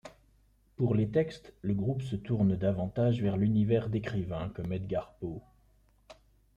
Pour les textes, le groupe se tourne davantage vers l'univers d'écrivains comme Edgar Poe.